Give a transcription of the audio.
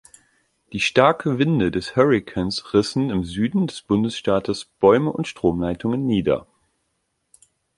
Die starke Winde des Hurrikans rissen im Süden des Bundesstaates Bäume und Stromleitungen nieder.